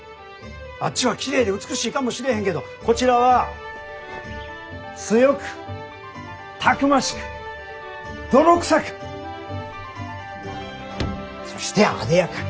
あっちはきれいで美しいかもしれへんけどこちらは「強く逞しく泥臭く」そして「艶やかに」。